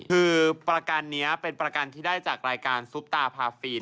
คือประกันนี้เป็นประกันที่ได้จากรายการซุปตาพาฟีน